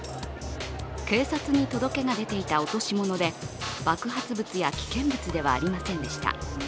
警察に届けが出ていた落とし物で爆発物や危険物ではありませんでした。